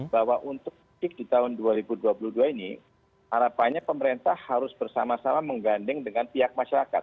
bahwa untuk di tahun dua ribu dua puluh dua ini harapannya pemerintah harus bersama sama mengganding dengan pihak masyarakat